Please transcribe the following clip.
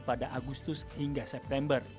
pada agustus hingga september